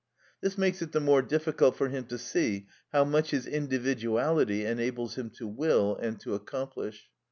This makes it the more difficult for him to see how much his individuality enables him to will and to accomplish.